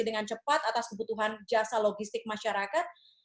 dengan cepat atas kebutuhan jasa logistik masyarakat